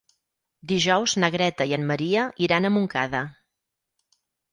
Dijous na Greta i en Maria iran a Montcada.